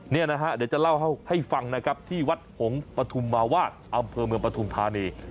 นี่นะฮะเดี๋ยวจะเล่าให้ฟังนะครับที่วัดหงษ์ปฐุมมาวาดอำเภอเมืองปฐุมธานี